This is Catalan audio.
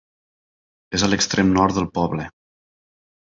És a l'extrem nord del poble.